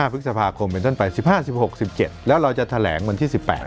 พฤษภาคมเป็นต้นไป๑๕๑๖๑๗แล้วเราจะแถลงวันที่๑๘